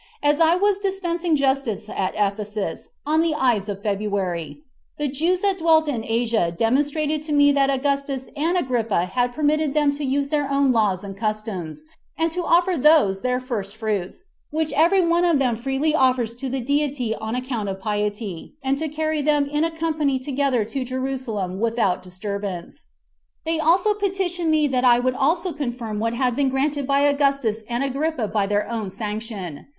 As I was dispensing justice at Ephesus, on the Ides of February, the Jews that dwell in Asia demonstrated to me that Augustus and Agrippa had permitted them to use their own laws and customs, and to offer those their first fruits, which every one of them freely offers to the Deity on account of piety, and to carry them in a company together to Jerusalem without disturbance. They also petitioned me that I also would confirm what had been granted by Augustus and Agrippa by my own sanction.